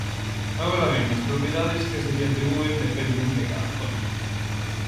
Agora ben, as propiedades que se lle atribúen dependen de cada zona.